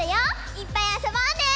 いっぱいあそぼうね！